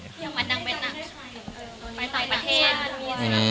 อยากมานั่งเวทนักศึกษ์ไปต่อประเทศ